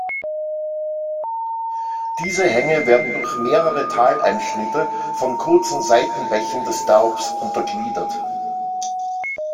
Diese Hänge werden durch mehrere Taleinschnitte von kurzen Seitenbächen des Doubs untergliedert.